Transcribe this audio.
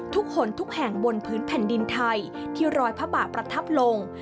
ทุกคนทุกแห่งบนพื้นแผ่นดินไทยที่รอยพระบาทประทับลง